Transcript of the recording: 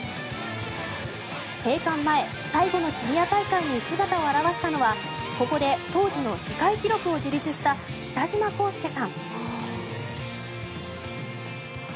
閉館前最後のシニア大会に姿を現したのはここで当時の世界記録を樹立した北島康介さん。